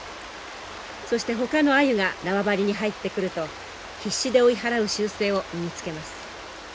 そしてほかのアユが縄張りに入ってくると必死で追い払う習性を身につけます。